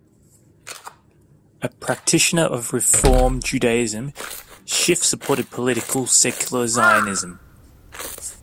A practitioner of Reform Judaism, Schiff supported political, secular Zionism.